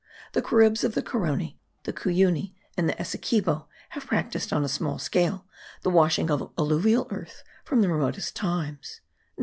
The Caribs of the Carony, the Cuyuni and the Essequibo, have practised on a small scale the washing of alluvial earth from the remotest times.